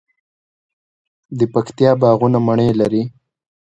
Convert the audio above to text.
د پکتیا باغونه مڼې لري.